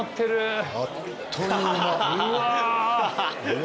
うわ！